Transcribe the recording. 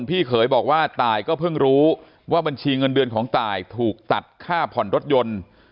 พี่เขยบอกว่าตายก็เพิ่งรู้ว่าบัญชีเงินเดือนของตายถูกตัดค่าผ่อนรถยนต์